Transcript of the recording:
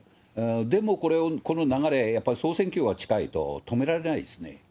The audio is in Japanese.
でもこの流れ、やっぱり総選挙は近いと、止められないですね。